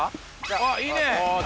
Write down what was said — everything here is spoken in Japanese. あっ、いいね。